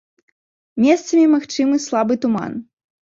Месцамі магчымы слабы туман.